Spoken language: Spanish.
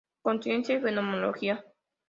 Conciencia y fenomenología